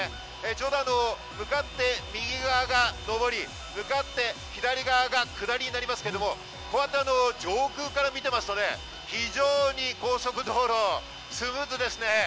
ちょうど向かって右側が上り、向かって左側が下りになりますけど、上空から見ていますと非常に高速道路、スムーズですね。